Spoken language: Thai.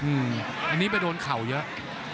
อันนี้ไปโดนเข่าเยอะ